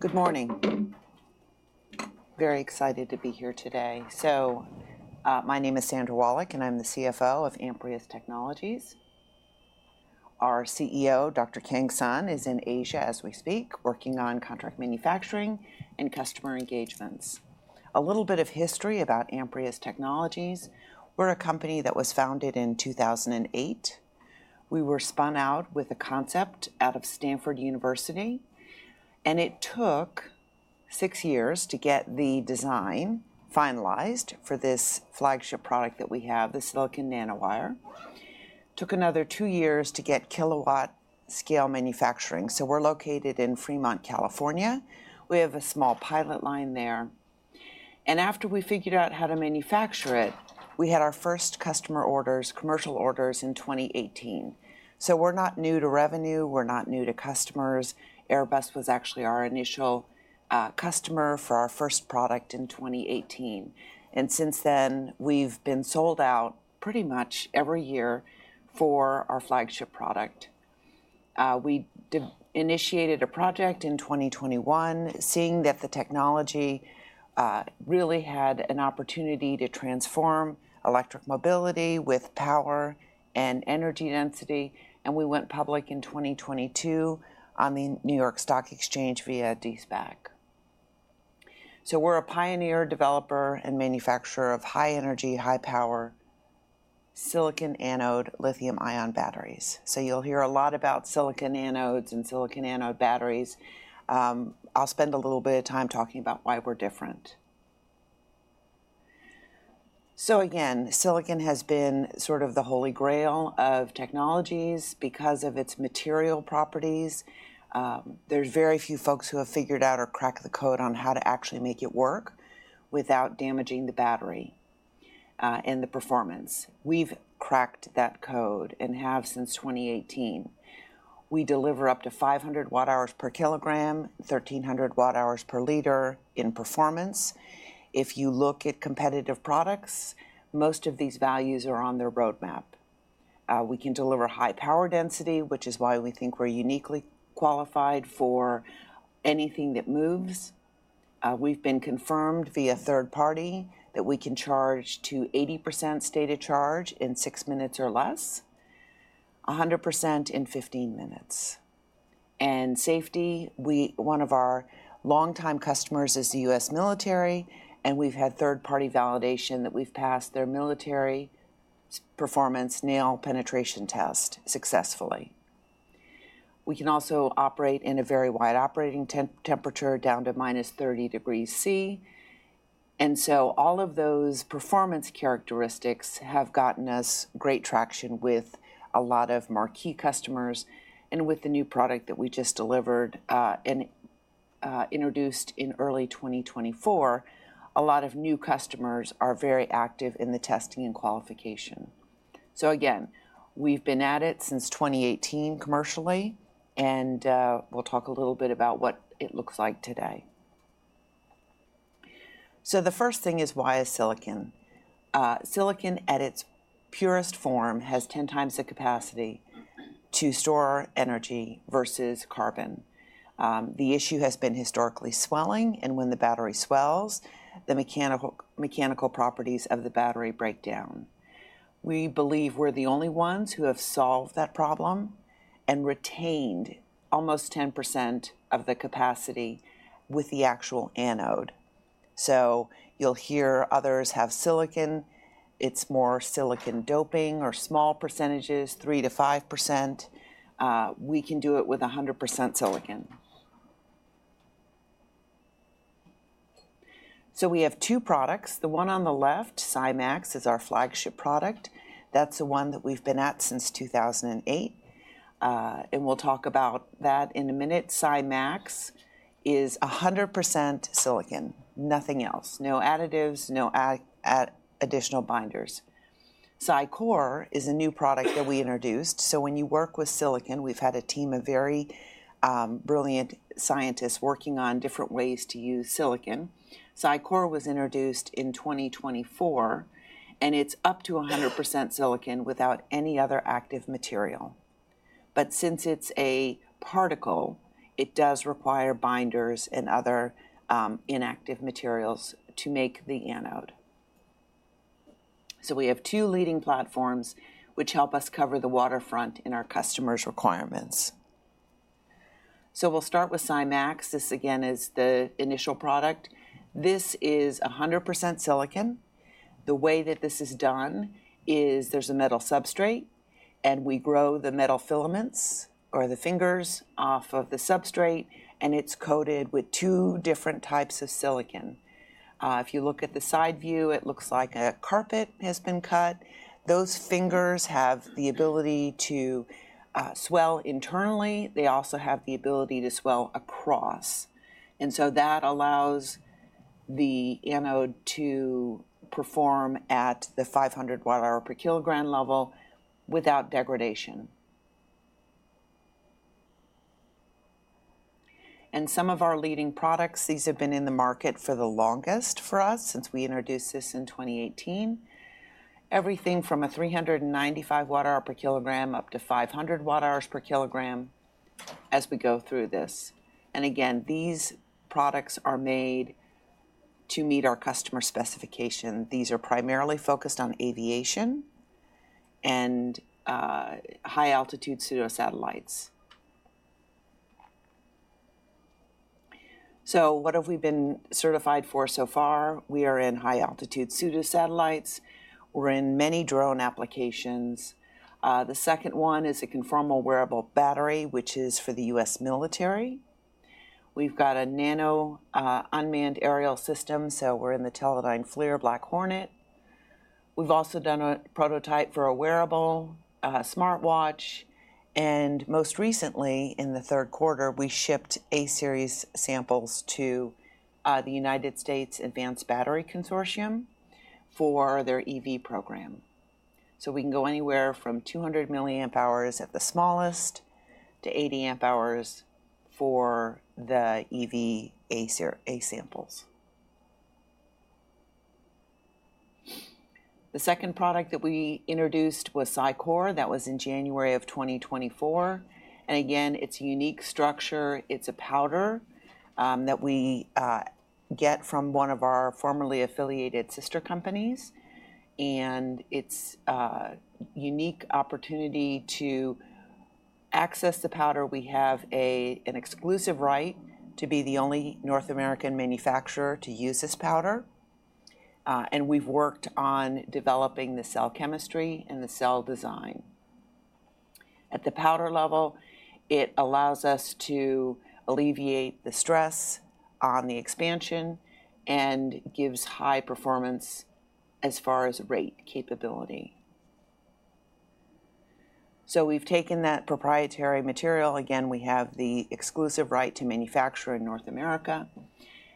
Good morning. Very excited to be here today. My name is Sandra Wallach, and I'm the CFO of Amprius Technologies. Our CEO, Dr. Kang Sun, is in Asia as we speak, working on contract manufacturing and customer engagements. A little bit of history about Amprius Technologies: we're a company that was founded in 2008. We were spun out with a concept out of Stanford University, and it took six years to get the design finalized for this flagship product that we have, the silicon nanowire. Took another two years to get kilowatt-scale manufacturing. We're located in Fremont, California. We have a small pilot line there. After we figured out how to manufacture it, we had our first customer orders, commercial orders in 2018. We're not new to revenue. We're not new to customers. Airbus was actually our initial customer for our first product in 2018. Since then, we've been sold out pretty much every year for our flagship product. We initiated a project in 2021, seeing that the technology really had an opportunity to transform electric mobility with power and energy density. We went public in 2022 on the New York Stock Exchange via de-SPAC. We're a pioneer, developer, and manufacturer of high-energy, high-power silicon anode lithium-ion batteries. You'll hear a lot about silicon anodes and silicon anode batteries. I'll spend a little bit of time talking about why we're different. Again, silicon has been sort of the holy grail of technologies because of its material properties. There's very few folks who have figured out or cracked the code on how to actually make it work without damaging the battery and the performance. We've cracked that code and have since 2018. We deliver up to 500 watt-hours per kilogram, 1,300 watt-hours per liter in performance. If you look at competitive products, most of these values are on their roadmap. We can deliver high power density, which is why we think we're uniquely qualified for anything that moves. We've been confirmed via third party that we can charge to 80% state of charge in six minutes or less, 100% in 15 minutes. And safety, one of our longtime customers is the U.S. military, and we've had third-party validation that we've passed their military performance nail penetration test successfully. We can also operate in a very wide operating temperature down to minus 30 degrees Celsius. And so all of those performance characteristics have gotten us great traction with a lot of marquee customers. With the new product that we just delivered and introduced in early 2024, a lot of new customers are very active in the testing and qualification. So again, we've been at it since 2018 commercially, and we'll talk a little bit about what it looks like today. So the first thing is why is silicon? Silicon, at its purest form, has 10 times the capacity to store energy versus carbon. The issue has been historically swelling, and when the battery swells, the mechanical properties of the battery break down. We believe we're the only ones who have solved that problem and retained almost 10% of the capacity with the actual anode. So you'll hear others have silicon. It's more silicon doping or small percentages, 3%-5%. We can do it with 100% silicon. So we have two products. The one on the left, SiMax, is our flagship product. That's the one that we've been at since 2008, and we'll talk about that in a minute. SiMax is 100% silicon, nothing else. No additives, no additional binders. SiCore is a new product that we introduced, so when you work with silicon, we've had a team of very brilliant scientists working on different ways to use silicon. SiCore was introduced in 2024, and it's up to 100% silicon without any other active material, but since it's a particle, it does require binders and other inactive materials to make the anode, so we have two leading platforms, which help us cover the waterfront in our customers' requirements, so we'll start with SiMax. This again is the initial product. This is 100% silicon. The way that this is done is there's a metal substrate, and we grow the metal filaments or the fingers off of the substrate, and it's coated with two different types of silicon. If you look at the side view, it looks like a carpet has been cut. Those fingers have the ability to swell internally. They also have the ability to swell across. And so that allows the anode to perform at the 500 watt-hours per kilogram level without degradation. And some of our leading products, these have been in the market for the longest for us since we introduced this in 2018. Everything from a 395 watt-hours per kilogram up to 500 watt-hours per kilogram as we go through this. And again, these products are made to meet our customer specification. These are primarily focused on aviation and high-altitude pseudosatellites. So what have we been certified for so far? We are in high-altitude pseudosatellites. We're in many drone applications. The second one is a conformal wearable battery, which is for the U.S. military. We've got a nano unmanned aerial system, so we're in the Teledyne FLIR Black Hornet. We've also done a prototype for a wearable smartwatch. And most recently, in the third quarter, we shipped A-samples to the United States Advanced Battery Consortium for their EV program. So we can go anywhere from 200 milliamp hours at the smallest to 80 amp hours for the EV A-samples. The second product that we introduced was SiCore. That was in January of 2024. And again, it's a unique structure. It's a powder that we get from one of our formerly affiliated sister companies. And it's a unique opportunity to access the powder. We have an exclusive right to be the only North American manufacturer to use this powder, and we've worked on developing the cell chemistry and the cell design. At the powder level, it allows us to alleviate the stress on the expansion and gives high performance as far as rate capability, so we've taken that proprietary material. Again, we have the exclusive right to manufacture in North America,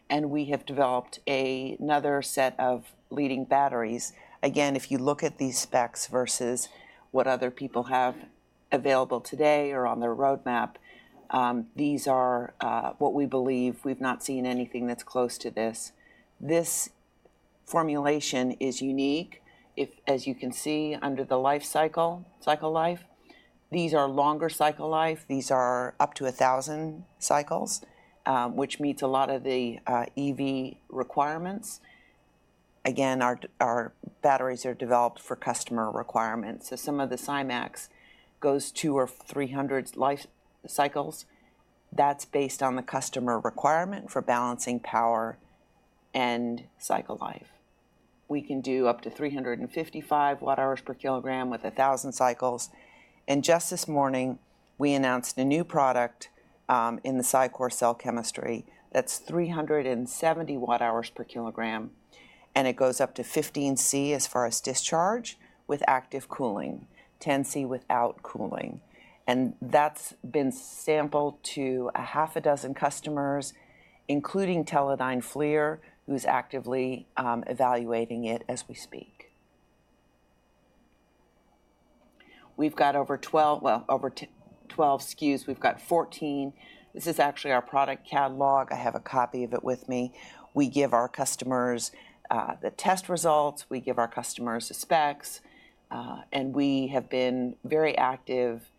and we have developed another set of leading batteries. Again, if you look at these specs versus what other people have available today or on their roadmap, these are what we believe we've not seen anything that's close to this. This formulation is unique. As you can see under the life cycle, cycle life, these are longer cycle life. These are up to 1,000 cycles, which meets a lot of the EV requirements. Again, our batteries are developed for customer requirements. Some of the SiMax goes two or three hundred life cycles. That's based on the customer requirement for balancing power and cycle life. We can do up to 355 watt-hours per kilogram with 1,000 cycles. Just this morning, we announced a new product in the SiCore cell chemistry that's 370 watt-hours per kilogram. It goes up to 15 C as far as discharge with active cooling, 10 C without cooling. That's been sampled to a half a dozen customers, including Teledyne FLIR, who's actively evaluating it as we speak. We've got over 12, well, over 12 SKUs. We've got 14. This is actually our product catalog. I have a copy of it with me. We give our customers the test results. We give our customers the specs. We have been very active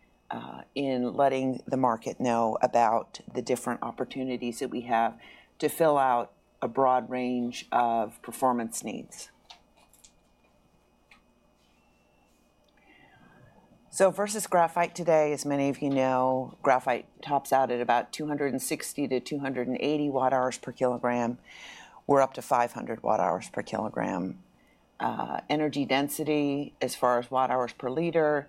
in letting the market know about the different opportunities that we have to fill out a broad range of performance needs. Versus graphite today, as many of you know, graphite tops out at about 260-280 watt-hours per kilogram. We're up to 500 watt-hours per kilogram. Energy density, as far as watt-hours per liter,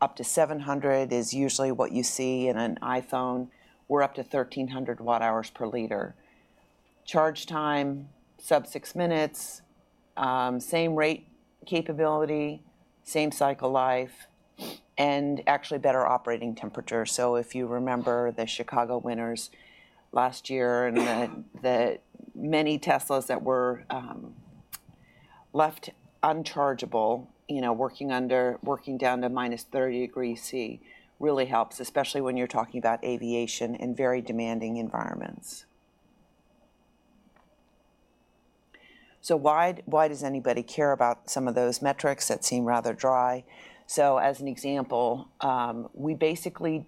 up to 700 is usually what you see in an iPhone. We're up to 1,300 watt-hours per liter. Charge time, sub six minutes, same rate capability, same cycle life, and actually better operating temperature. If you remember the Chicago winters last year and the many Teslas that were left unchargeable, you know, working down to minus 30 degrees Celsius, really helps, especially when you're talking about aviation in very demanding environments. Why does anybody care about some of those metrics that seem rather dry? As an example, we basically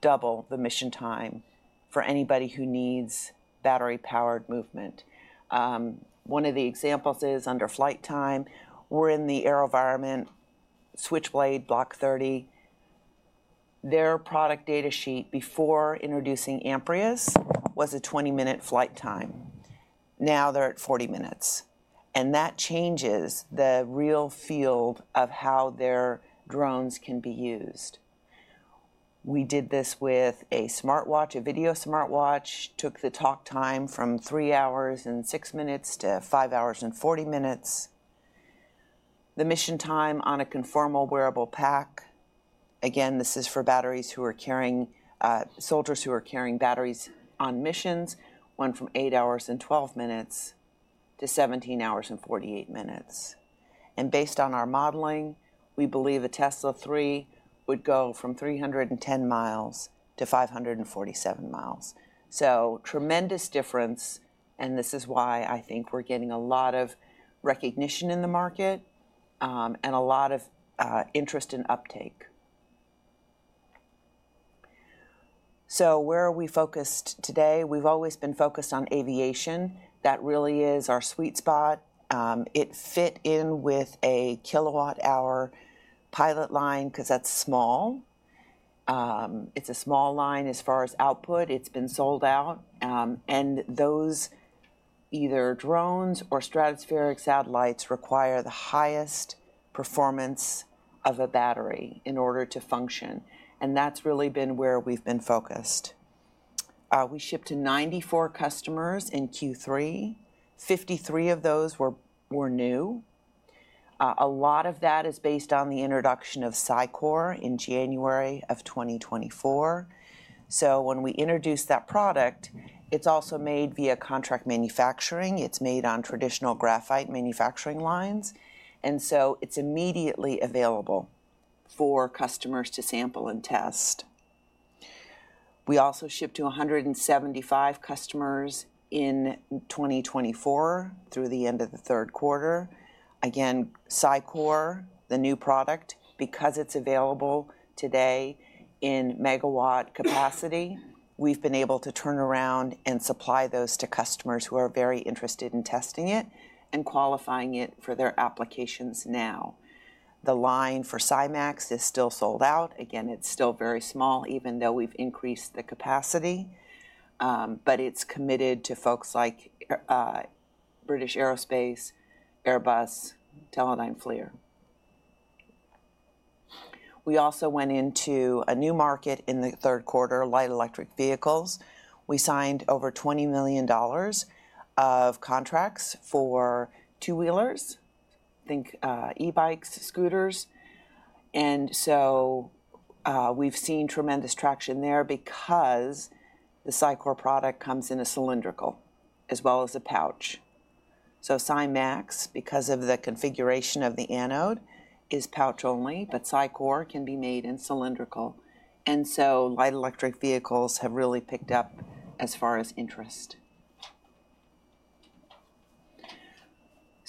double the mission time for anybody who needs battery-powered movement. One of the examples is under flight time. We are in the AeroVironment Switchblade Block 30. Their product data sheet before introducing Amprius was a 20-minute flight time. Now they are at 40 minutes. And that changes the battlefield of how their drones can be used. We did this with a smartwatch, a video smartwatch, took the talk time from three hours and six minutes to five hours and 40 minutes. The mission time on a conformal wearable pack, again, this is for soldiers who are carrying batteries on missions, went from eight hours and 12 minutes to 17 hours and 48 minutes. And based on our modeling, we believe a Tesla Model 3 would go from 310 miles to 547 miles. Tremendous difference. This is why I think we're getting a lot of recognition in the market and a lot of interest and uptake. So where are we focused today? We've always been focused on aviation. That really is our sweet spot. It fit in with a kilowatt-hour pilot line because that's small. It's a small line as far as output. It's been sold out. Those either drones or stratospheric satellites require the highest performance of a battery in order to function. That's really been where we've been focused. We shipped to 94 customers in Q3. 53 of those were new. A lot of that is based on the introduction of SiCore in January of 2024. When we introduced that product, it's also made via contract manufacturing. It's made on traditional graphite manufacturing lines. And so it's immediately available for customers to sample and test. We also shipped to 175 customers in 2024 through the end of the third quarter. Again, SiCore, the new product, because it's available today in megawatt capacity, we've been able to turn around and supply those to customers who are very interested in testing it and qualifying it for their applications now. The line for SiMax is still sold out. Again, it's still very small, even though we've increased the capacity, but it's committed to folks like British Aerospace, Airbus, Teledyne FLIR. We also went into a new market in the third quarter, light electric vehicles. We signed over $20 million of contracts for two-wheelers, I think e-bikes, scooters, and so we've seen tremendous traction there because the SiCore product comes in a cylindrical as well as a pouch, so SiMax, because of the configuration of the anode, is pouch only, but SiCore can be made in cylindrical. And so light electric vehicles have really picked up as far as interest.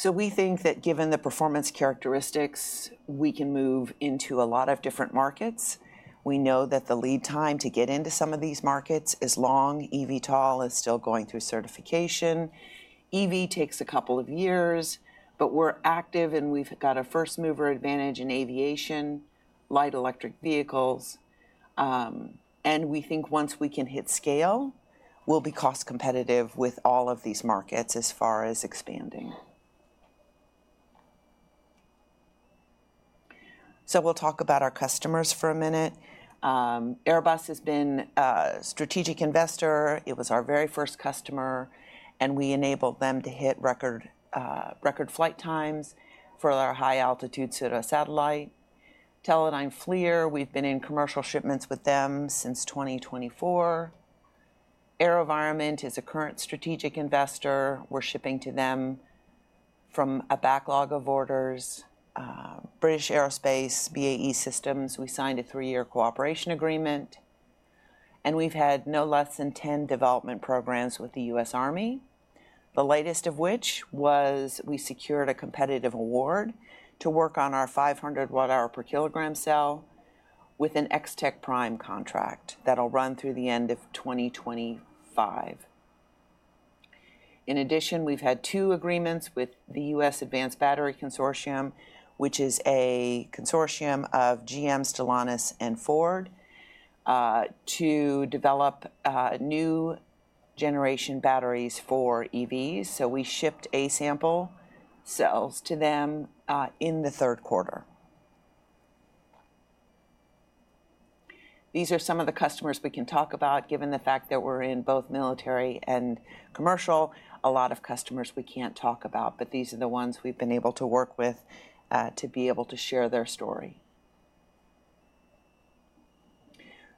So we think that given the performance characteristics, we can move into a lot of different markets. We know that the lead time to get into some of these markets is long. EVTOL is still going through certification. EV takes a couple of years, but we're active and we've got a first mover advantage in aviation, light electric vehicles. And we think once we can hit scale, we'll be cost competitive with all of these markets as far as expanding. So we'll talk about our customers for a minute. Airbus has been a strategic investor. It was our very first customer, and we enabled them to hit record flight times for our high-altitude pseudosatellite. Teledyne FLIR, we've been in commercial shipments with them since 2024. AeroVironment is a current strategic investor. We're shipping to them from a backlog of orders. British Aerospace, BAE Systems, we signed a three-year cooperation agreement and we've had no less than 10 development programs with the U.S. Army, the latest of which was we secured a competitive award to work on our 500 watt-hours per kilogram cell with an xTechPrime contract that'll run through the end of 2025. In addition, we've had two agreements with the U.S. Advanced Battery Consortium, which is a consortium of GM, Stellantis, and Ford to develop new generation batteries for EVs so we shipped A-sample cells to them in the third quarter. These are some of the customers we can talk about, given the fact that we're in both military and commercial. A lot of customers we can't talk about, but these are the ones we've been able to work with to be able to share their story.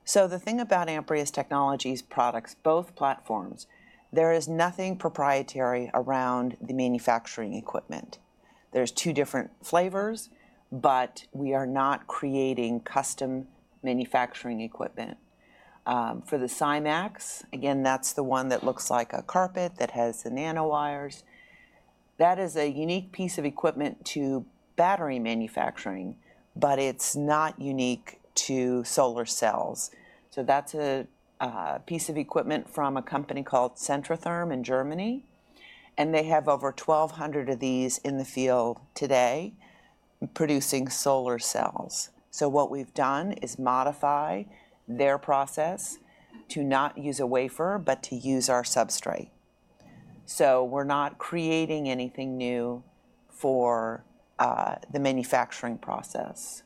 So the thing about Amprius Technologies products, both platforms, there is nothing proprietary around the manufacturing equipment. There's two different flavors, but we are not creating custom manufacturing equipment. For the SiMax, again, that's the one that looks like a carpet that has the nanowires. That is a unique piece of equipment to battery manufacturing, but it's not unique to solar cells. So that's a piece of equipment from a company called Centrotherm in Germany. And they have over 1,200 of these in the field today producing solar cells. So what we've done is modify their process to not use a wafer, but to use our substrate. So we're not creating anything new for the manufacturing process.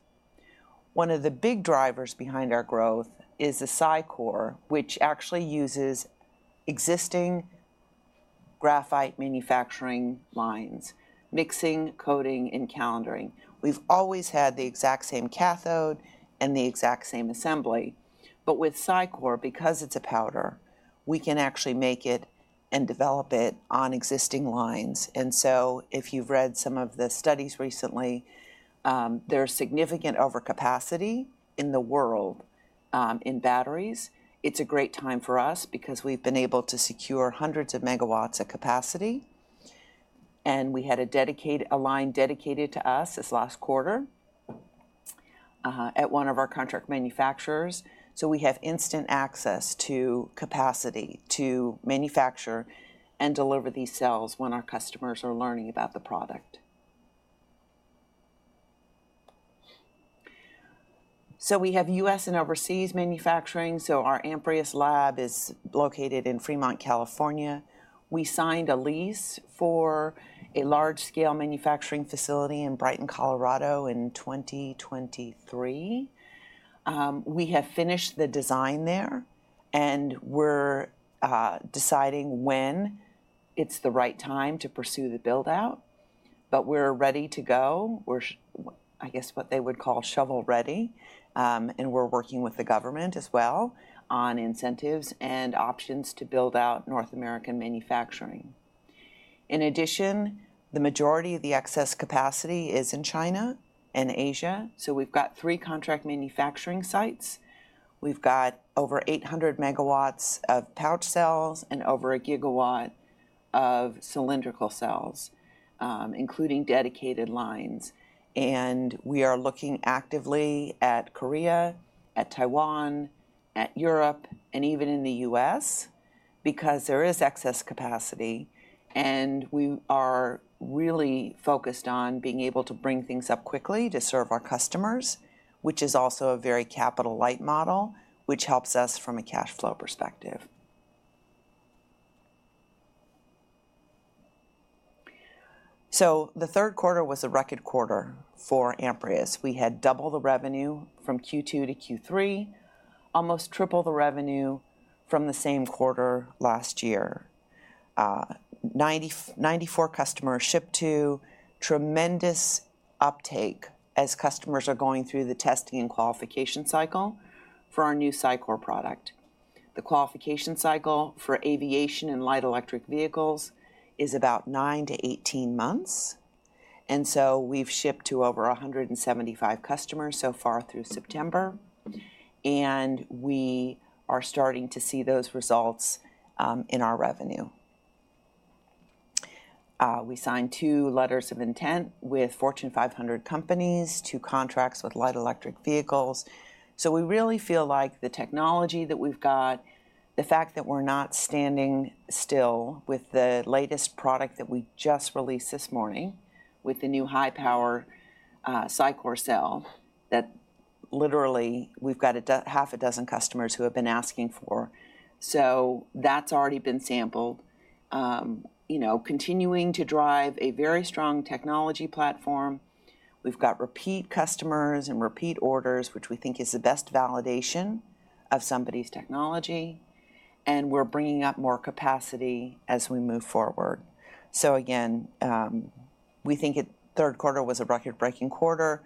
One of the big drivers behind our growth is the SiCore, which actually uses existing graphite manufacturing lines, mixing, coating, and calendaring. We've always had the exact same cathode and the exact same assembly. But with SiCore, because it's a powder, we can actually make it and develop it on existing lines. And so if you've read some of the studies recently, there's significant overcapacity in the world in batteries. It's a great time for us because we've been able to secure hundreds of megawatts of capacity. And we had a dedicated line dedicated to us this last quarter at one of our contract manufacturers. So we have instant access to capacity to manufacture and deliver these cells when our customers are learning about the product. So we have U.S. and overseas manufacturing. So our Amprius lab is located in Fremont, California. We signed a lease for a large-scale manufacturing facility in Brighton, Colorado, in 2023. We have finished the design there and we're deciding when it's the right time to pursue the build-out, but we're ready to go. We're, I guess, what they would call shovel-ready, and we're working with the government as well on incentives and options to build out North American manufacturing. In addition, the majority of the excess capacity is in China and Asia, so we've got three contract manufacturing sites. We've got over 800 megawatts of pouch cells and over a gigawatt of cylindrical cells, including dedicated lines, and we are looking actively at Korea, at Taiwan, at Europe, and even in the U.S. because there is excess capacity, and we are really focused on being able to bring things up quickly to serve our customers, which is also a very capital-light model, which helps us from a cash flow perspective, so the third quarter was a record quarter for Amprius. We had double the revenue from Q2 to Q3, almost triple the revenue from the same quarter last year. 94 customers shipped to, tremendous uptake as customers are going through the testing and qualification cycle for our new SiCore product. The qualification cycle for aviation and light electric vehicles is about nine to 18 months. We are starting to see those results in our revenue. We signed two letters of intent with Fortune 500 companies to contracts with light electric vehicles. We really feel like the technology that we've got, the fact that we're not standing still with the latest product that we just released this morning with the new high-power SiCore cell that literally we've got half a dozen customers who have been asking for. That's already been sampled. Continuing to drive a very strong technology platform. We've got repeat customers and repeat orders, which we think is the best validation of somebody's technology, and we're bringing up more capacity as we move forward. Again, we think third quarter was a record-breaking quarter,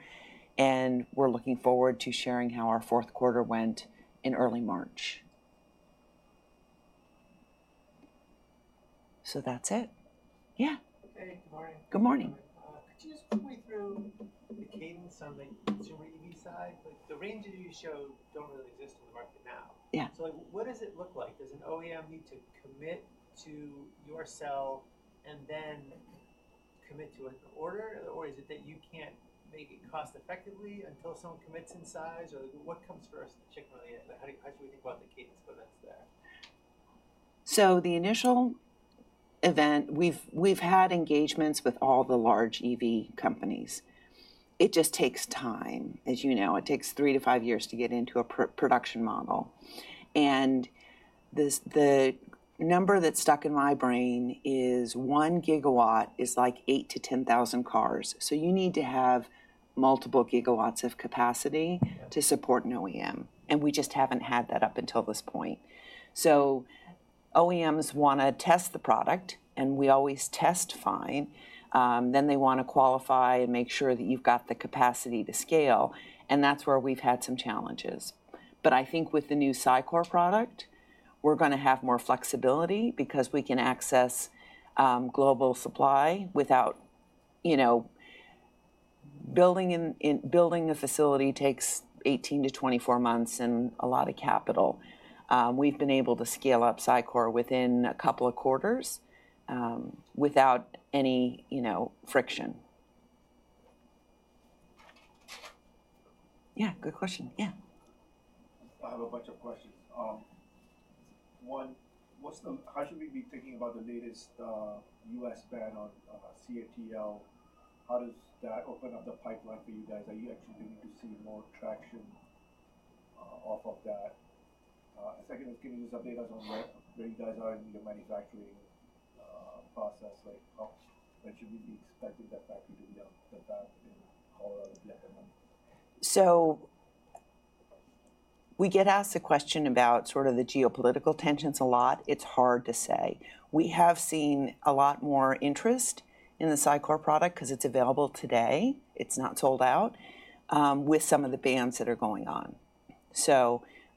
and we're looking forward to sharing how our fourth quarter went in early March. That's it. Yeah. Hey, good morning. Good morning. Could you just walk me through the cadence on the consumer EV side? The ranges you show don't really exist in the market now. Yeah. So what does it look like? Does an OEM need to commit to your cell and then commit to an order? Or is it that you can't make it cost-effectively until someone commits in size? Or what comes first, the chicken or the egg? How should we think about the cadence when that's there? So the initial event, we've had engagements with all the large EV companies. It just takes time, as you know. It takes three to five years to get into a production model. And the number that's stuck in my brain is one gigawatt is like 8,000-10,000 cars. So you need to have multiple gigawatts of capacity to support an OEM. And we just haven't had that up until this point. So OEMs want to test the product, and we always test fine. Then they want to qualify and make sure that you've got the capacity to scale. And that's where we've had some challenges. But I think with the new SiCore product, we're going to have more flexibility because we can access global supply without building a facility takes 18-24 months and a lot of capital. We've been able to scale up SiCore within a couple of quarters without any friction. Yeah, good question. Yeah. I have a bunch of questions. One, how should we be thinking about the latest U.S. ban on CATL? How does that open up the pipeline for you guys? Are you actually beginning to see more traction off of that? Second, just give me update us on where you guys are in your manufacturing process. When should we be expecting that factory to be up and back in Colorado? So we get asked the question about sort of the geopolitical tensions a lot. It's hard to say. We have seen a lot more interest in the SiCore product because it's available today. It's not sold out with some of the bans that are going on.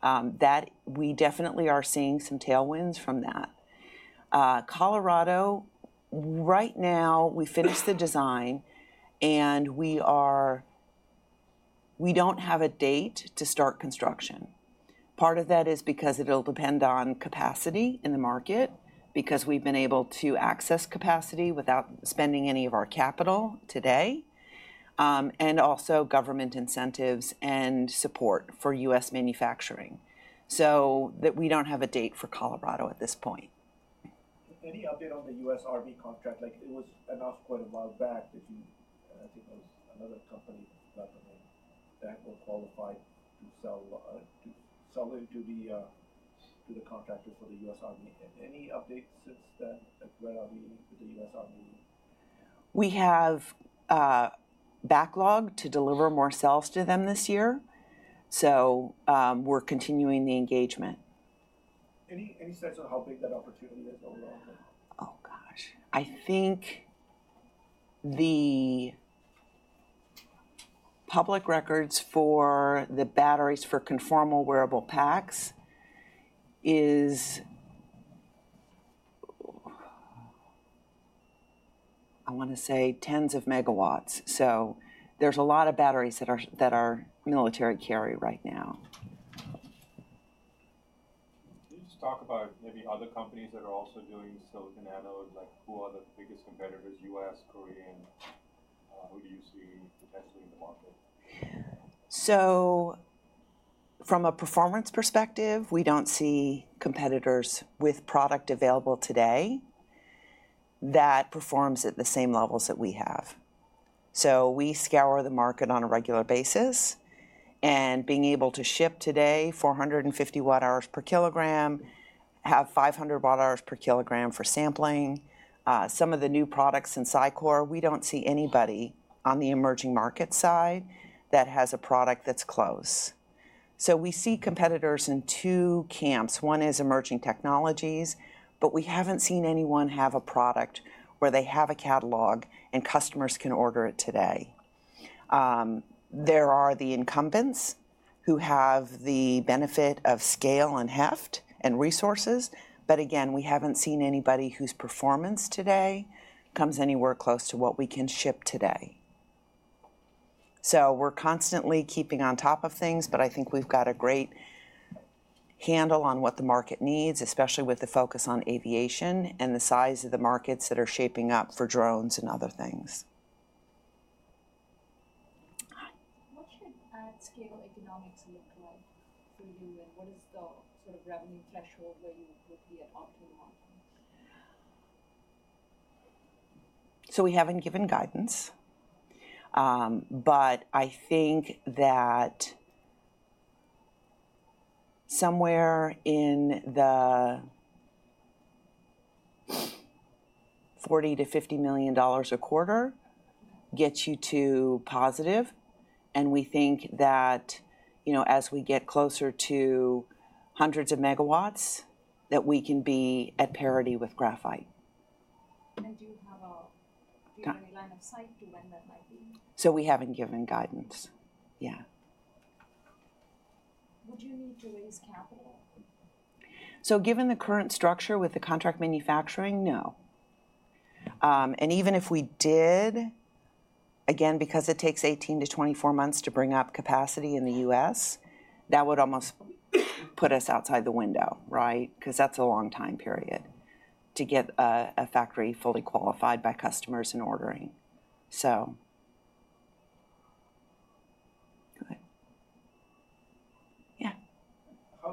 So we definitely are seeing some tailwinds from that. Colorado, right now, we finished the design, and we don't have a date to start construction. Part of that is because it'll depend on capacity in the market because we've been able to access capacity without spending any of our capital today, and also government incentives and support for U.S. manufacturing, so we don't have a date for Colorado at this point. Any update on the U.S. Army contract? It was announced quite a while back that you think there was another company that's about to make that will qualify to sell it to the contractors for the U.S. Army. Any updates since then with the U.S. Army? We have backlog to deliver more cells to them this year, so we're continuing the engagement. Any sense of how big that opportunity is overall? Oh, gosh. I think the public records for the batteries for conformal wearable packs is, I want to say, tens of megawatts. So there's a lot of batteries that are military carry right now. Can you just talk about maybe other companies that are also doing silicon anode? Who are the biggest competitors? U.S., Korean? Who do you see potentially in the market? From a performance perspective, we don't see competitors with product available today that performs at the same levels that we have. We scour the market on a regular basis. Being able to ship today 450 watt-hours per kilogram, have 500 watt-hours per kilogram for sampling. Some of the new products in SiCore, we don't see anybody on the emerging market side that has a product that's close. We see competitors in two camps. One is emerging technologies, but we haven't seen anyone have a product where they have a catalog and customers can order it today. There are the incumbents who have the benefit of scale and heft and resources. But again, we haven't seen anybody whose performance today comes anywhere close to what we can ship today. So we're constantly keeping on top of things, but I think we've got a great handle on what the market needs, especially with the focus on aviation and the size of the markets that are shaping up for drones and other things. What should scale economics look like for you? And what is the sort of revenue threshold where you would be at optimum? So we haven't given guidance. But I think that somewhere in the $40-$50 million a quarter gets you to positive. And we think that as we get closer to hundreds of megawatts, that we can be at parity with graphite. And do you have a line of sight to when that might be? So we haven't given guidance. Yeah. Would you need to raise capital? So given the current structure with the contract manufacturing, no. And even if we did, again, because it takes 18-24 months to bring up capacity in the U.S., that would almost put us outside the window, right? Because that's a long time period to get a factory fully qualified by customers and ordering.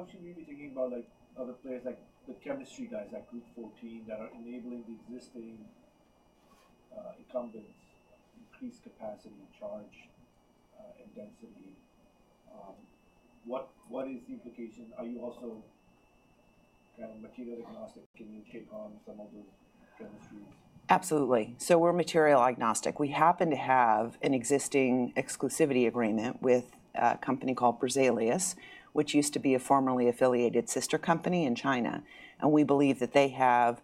So go ahead. Yeah. How should we be thinking about other players like the chemistry guys at Group14 that are enabling the existing incumbents to increase capacity, charge, and density? What is the implication? Are you also kind of material agnostic? Can you take on some of those chemistries? Absolutely. So we're material agnostic. We happen to have an existing exclusivity agreement with a company called Berzelius, which used to be a formerly affiliated sister company in China. And we believe that they have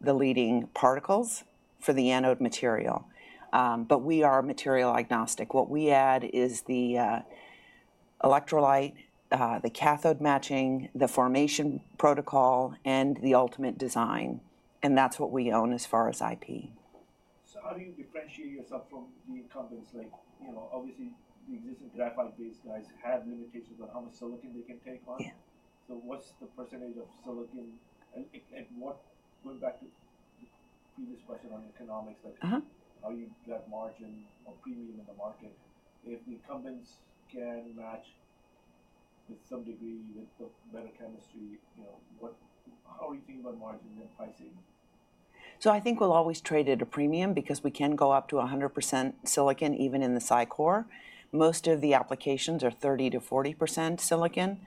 the leading particles for the anode material. But we are material agnostic. What we add is the electrolyte, the cathode matching, the formation protocol, and the ultimate design. And that's what we own as far as IP. So how do you differentiate yourself from the incumbents? Obviously, the existing graphite-based guys have limitations on how much silicon they can take on. So what's the percentage of silicon? Going back to the previous question on economics, how you drive margin or premium in the market. If the incumbents can match with some degree with the better chemistry, how are you thinking about margin and pricing? I think we'll always trade at a premium because we can go up to 100% silicon even in the SiCore. Most of the applications are 30%-40% silicon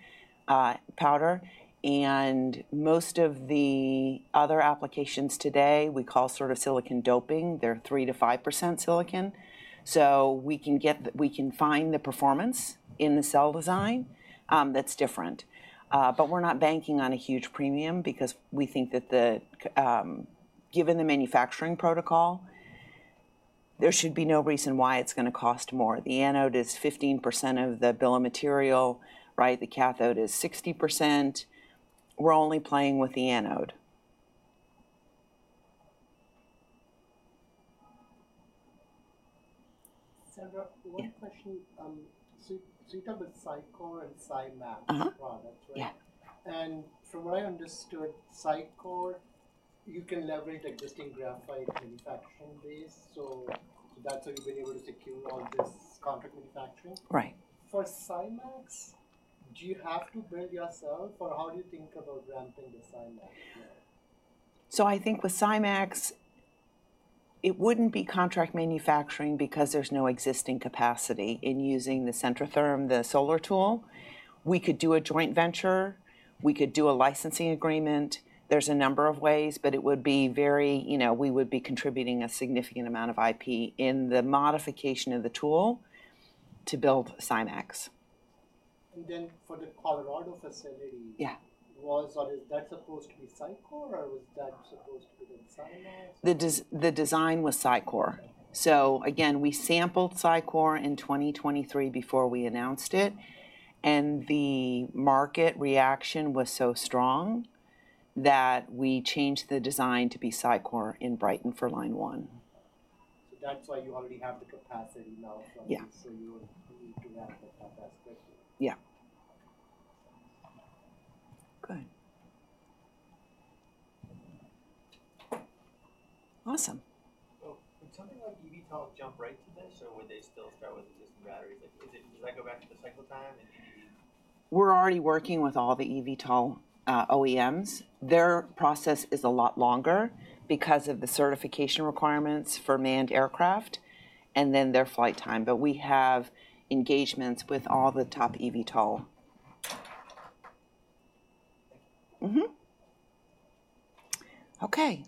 powder. And most of the other applications today we call sort of silicon doping. They're 3%-5% silicon. So we can find the performance in the cell design that's different. But we're not banking on a huge premium because we think that given the manufacturing protocol, there should be no reason why it's going to cost more. The anode is 15% of the bill of material, right? The cathode is 60%. We're only playing with the anode. One question. So you talked about SiCore and SiMax products, right? Yeah. And from what I understood, SiCore, you can leverage existing graphite manufacturing base. So that's how you've been able to secure all this contract manufacturing. Right? For SiMax, do you have to build yourself, or how do you think about ramping the SiMax? So I think with SiMax, it wouldn't be contract manufacturing because there's no existing capacity in using the Centrotherm, the solar tool. We could do a joint venture. We could do a licensing agreement. There's a number of ways, but it would be. We would be contributing a significant amount of IP in the modification of the tool to build SiMax. And then for the Colorado facility, was that supposed to be SiCore, or was that supposed to be then SiMax? The design was SiCore. So again, we sampled SiCore in 2023 before we announced it. And the market reaction was so strong that we changed the design to be SiCore in Brighton for line one. So that's why you already have the capacity now, so you wouldn't need to ramp it up as quickly. Yeah. Good. Awesome. Would something like EVTOL jump right to this, or would they still start with existing batteries? Does that go back to the cycle time and then you need? We're already working with all the EVTOL OEMs. Their process is a lot longer because of the certification requirements for manned aircraft and then their flight time. But we have engagements with all the top EVTOL. Okay.